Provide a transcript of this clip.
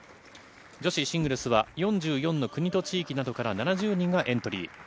女子シングルスは、４４の国と地域などから７０人がエントリー。